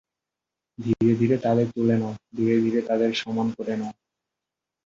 ধীরে ধীরে তাদের তুলে নাও, ধীরে ধীরে তাদের সমান করে নাও।